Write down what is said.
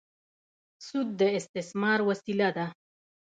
سود د استثمار وسیله ده.